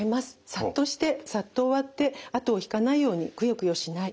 さっとしてさっと終わってあとを引かないようにクヨクヨしない。